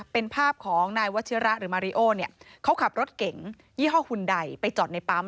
เป็นภาพของนายวัชิระหรือมาริโอเนี่ยเขาขับรถเก๋งยี่ห้อหุ่นใดไปจอดในปั๊ม